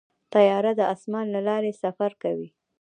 طیاره د اسمان له لارې سفر کوي.